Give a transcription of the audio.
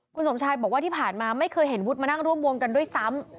คุณสมชายบอกว่าที่ผ่านมาไม่เคยเห็นวุฒิมานั่งร่วมวงกันด้วยซ้ำ